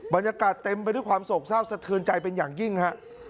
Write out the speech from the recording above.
บรรยากาศเต็มไปด้วยความโศกเศร้าสะเทือนใจเป็นอย่างยิ่งฮะ